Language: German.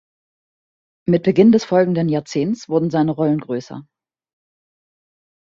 Mit Beginn des folgenden Jahrzehntes wurden seine Rollen größer.